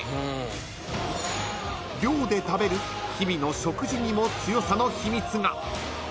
［寮で食べる日々の食事にも強さの秘密が］